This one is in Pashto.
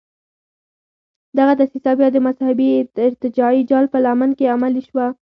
دغه دسیسه بیا د مذهبي ارتجاعي جال په لمن کې عملي شوه.